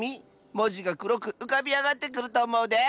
もじがくろくうかびあがってくるとおもうで。